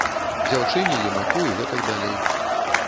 Дзяўчыне, юнаку і гэтак далей.